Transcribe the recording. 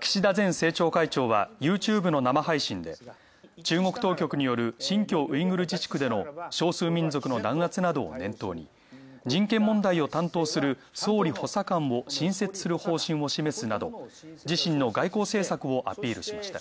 岸田前政調会長はＹｏｕＴｕｂｅの生配信で中国当局による新疆ウイグル自治区での少数民族の弾圧などを念頭に、人権問題を担当する総理補佐官を新設する方針を示すなど、自身の外交政策をアピールしました。